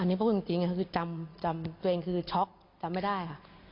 อันนี้พูดจริงคือจำตัวเองคือช็อกจำไม่ได้ค่ะ